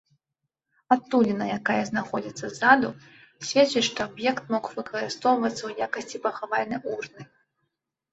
Адтуліна, якая знаходзіцца ззаду, сведчыць, што аб'ект мог выкарыстоўвацца ў якасці пахавальнай урны.